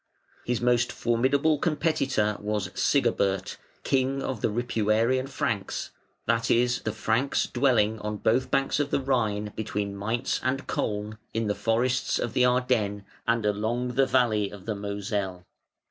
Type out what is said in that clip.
His most formidable competitor was Sigebert, king of the Ripuarian Franks, that is the Franks dwelling on both banks of the Rhine between Maintz and Koln, in the forest of the Ardennes and along the valley of the Moselle.